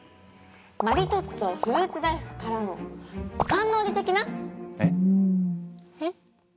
マリトッツォフルーツ大福からのカンノーリ的な⁉えっ？えっ？